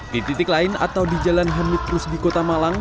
di titik lain atau di jalan hamidrus di kota malang